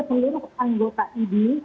seluruh anggota idi